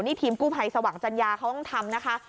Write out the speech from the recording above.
นี่ทีมกู้ไพสวังจันยาเขาต้องทำนะคะ